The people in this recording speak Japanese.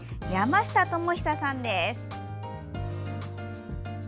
山下智久さんです。